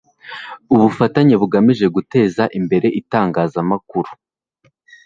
Ubufatanye bugamije guteza imbere itangazamakuru